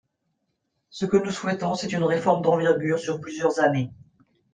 Ce que nous souhaitons, c’est une réforme d’envergure sur plusieurs années.